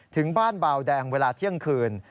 ถึงบ้านบาวแดงเวลาเที่ยงคืน